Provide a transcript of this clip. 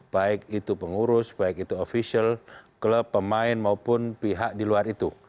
baik itu pengurus baik itu ofisial klub pemain maupun pihak di luar itu